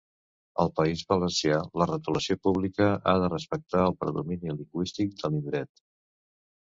Al País Valencià, la retolació pública ha de respectar el predomini lingüístic de l'indret.